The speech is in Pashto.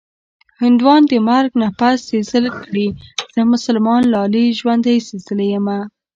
هندوان د مرګ نه پس سېزل کړي-زه مسلمان لالي ژوندۍ سېزلې یمه